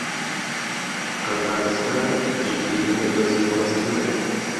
ئەفغانستان پشتگیری لە دۆزی فەڵەستین دەکات.